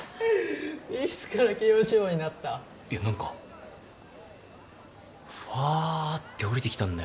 いつから慶應志望になったいや何かフワって降りてきたんだ